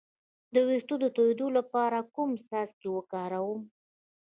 د ویښتو د تویدو لپاره کوم څاڅکي وکاروم؟